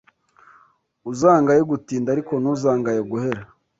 Uzangaye gutinda ariko ntuzangaye guhera